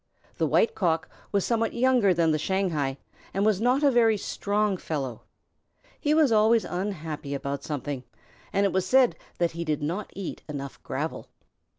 The White Cock was somewhat younger than the Shanghai, and was not a very strong fellow. He was always unhappy about something, and it was said that he did not eat enough gravel.